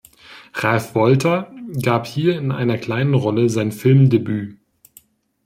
Ralf Wolter gab hier in einer kleinen Rolle sein Filmdebüt.